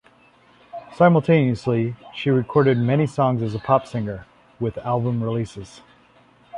Simultaneously, she recorded many songs as a pop singer, with album releases.